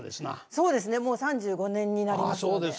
そうですねもう３５年になります。